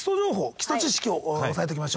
基礎知識を押さえておきましょう。